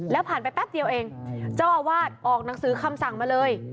แล้วผ่านไปแป๊บเดียวเองเจ้าอาวาสออกหนังสือคำสั่งมาเลย